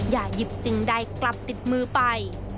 อย่าหยิบสิ่งใดกลับติดมือไป